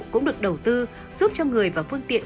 cũng được đầu tư giúp cho người và phương tiện